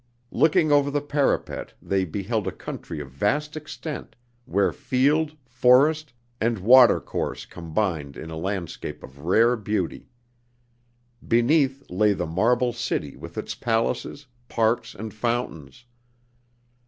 Looking over the parapet, they beheld a country of vast extent, where field, forest, and watercourse combined in a landscape of rare beauty. Beneath lay the marble city with its palaces, parks, and fountains.